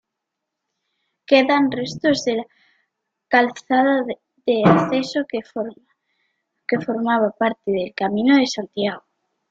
Quedan restos de la calzada de acceso que formaba parte del camino de Santiago.